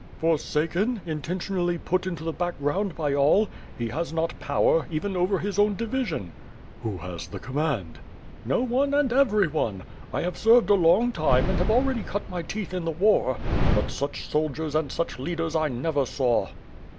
'' "Forsaken, intentionally put into the background by all. He has not power, even over his own division." "Who has the command?*' "No one, and every one. I have served a long time and have already cut my teeth in the war, but such soldiers and such leaders I never saw."